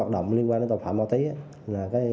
hoạt động liên quan đến tội phạm ma túy